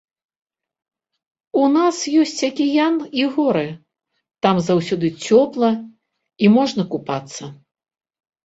У нас ёсць акіян і горы, там заўсёды цёпла і можна купацца.